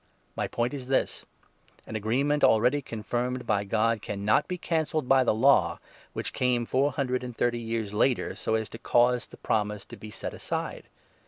My point is this :— An agreement already confirmed by God 17 cannot be cancelled by the Law, which came four hundred and thirty years later, so as to cause the promise to be set aside.